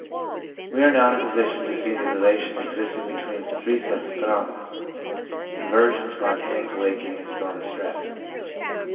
We are now in a position to see the relation existing between the three sets of phenomena — conversion, spontaneous awakening, and storm and stress.